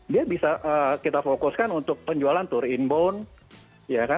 dia bisa kita fokuskan untuk penjualan tour inbound